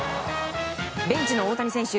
ベンチの大谷選手